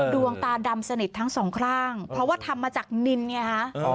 ดวงตาดำสนิททั้งสองข้างเพราะว่าทำมาจากนินไงฮะ